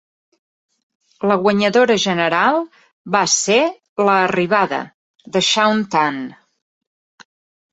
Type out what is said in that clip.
La guanyadora general va ser "La Arribada" de Shaun Tan.